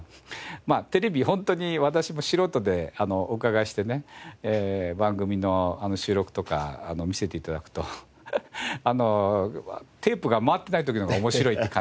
まあテレビホントに私も素人でお伺いしてね番組の収録とか見せて頂くとテープが回ってない時の方が面白いって感じってある。